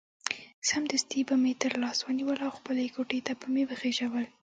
سمدستي به مې تر لاس ونیول او خپلې کوټې ته به مې وخېژول.